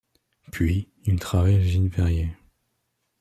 Puis il travaille aux usines Perrier.